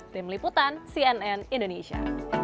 tim liputan cnn indonesia